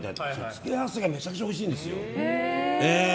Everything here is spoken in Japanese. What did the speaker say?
付け合わせがめちゃめちゃおいしいいんですよ。